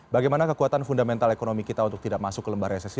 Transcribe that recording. bagaimana kekuatan fundamental ekonomi kita untuk tidak masuk ke lembar resesi